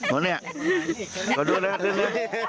โหเนี่ยกดูหน้าด้วย